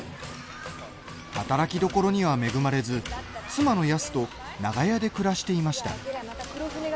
働きどころには恵まれず妻のやすと長屋で暮らしていました。